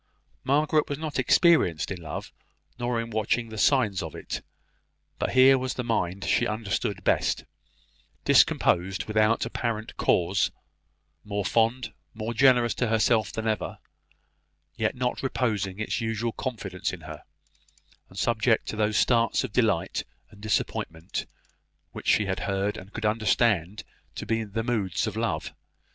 Margaret was not experienced in love, nor in watching the signs of it; but here was the mind she understood best, discomposed without apparent cause more fond, more generous to herself than ever, yet not reposing its usual confidence in her and subject to those starts of delight and disappointment which she had heard and could understand to be the moods of love.